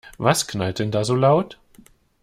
Was knallt denn da so laut?